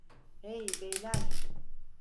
Hey, beyler!